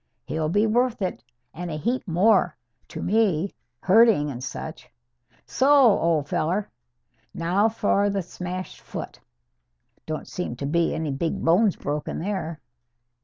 He'll be worth it, and a heap more, to me, herding and such. So, old feller! Now for the smashed foot. Don't seem to be any big bones broke there."